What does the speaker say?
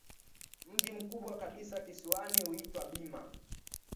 Mji mkubwa kabisa kisiwani huitwa Bima.